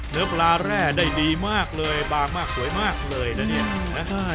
เนื้อปลาแร่ได้ดีมากเลยบางมากสวยมากเลยนะเนี่ย